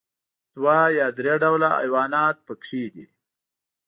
دوه یا درې ډوله حيوانات پکې دي.